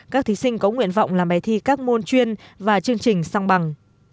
các thí sinh có nguyện vọng làm bài thi các môn chuyên và chương trình song bằng